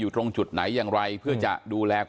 ทางรองศาสตร์อาจารย์ดรอคเตอร์อัตภสิตทานแก้วผู้ชายคนนี้นะครับ